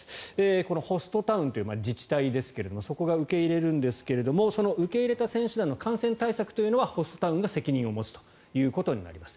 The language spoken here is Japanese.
このホストタウンという自治体ですけれどもそこが受け入れるんですがその受け入れた選手団の感染対策というのはホストタウンが責任を持つということになります。